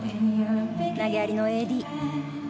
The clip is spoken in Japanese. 投げ上げのＡＤ。